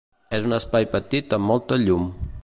És un espai petit amb molta llum.